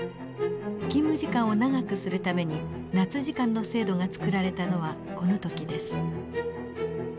勤務時間を長くするために夏時間の制度が作られたのはこの時です。